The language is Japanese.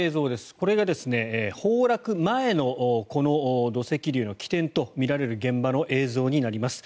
これが崩落前のこの土石流の起点とみられる現場の映像になります。